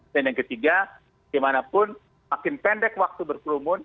dan yang ketiga bagaimanapun makin pendek waktu berkerumun